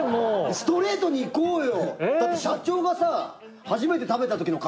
ストレートにいこうよ。